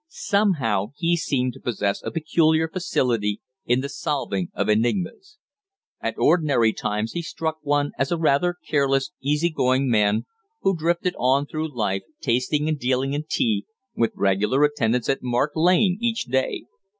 Somehow he seemed to possess a peculiar facility in the solving of enigmas. At ordinary times he struck one as a rather careless, easy going man, who drifted on through life, tasting and dealing in tea, with regular attendance at Mark Lane each day.